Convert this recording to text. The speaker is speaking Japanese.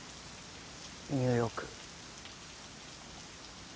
ニューヨーク。